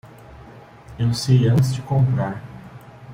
Eu sei antes de comprar.